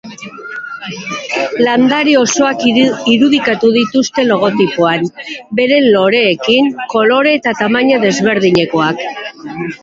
Landare osoak irudikatu dituzte logotipoan, beren loreekin, kolore eta tamaina desberdinekoak.